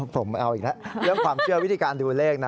ผมเอาอีกแล้วเรื่องความเชื่อวิธีการดูเลขนะ